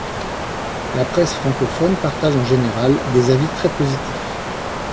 La presse francophone partage en général des avis très positifs.